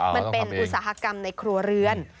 มันเป็นอุตสาหกรรมในครัวเรือน